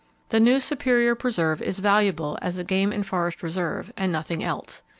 The new Superior Preserve is valuable as a game and forest reserve, and nothing else.